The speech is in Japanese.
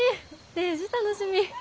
デージ楽しみ。